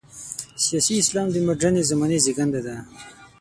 سیاسي اسلام د مډرنې زمانې زېږنده ده.